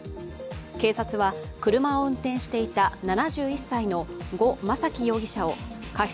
警察は車を運転していた７１歳の呉昌樹容疑者を過失